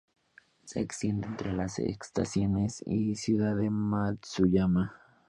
Se extiende entre las estaciones y Ciudad de Matsuyama.